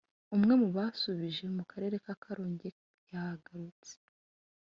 Umwe mu basubije mu karere ka Karongi yagarutse